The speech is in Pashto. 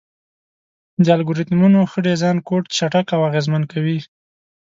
د الګوریتمونو ښه ډیزاین کوډ چټک او اغېزمن کوي.